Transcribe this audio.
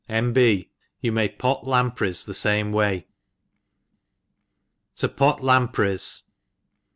—— N. £• You may pot lampreys the (amc way. To pot Lampreys.